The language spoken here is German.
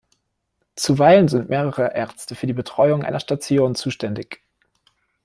Zuweilen sind mehrere Ärzte für die Betreuung einer Station zuständig.